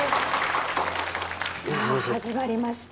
さあ始まりました。